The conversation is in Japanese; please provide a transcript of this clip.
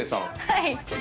はい。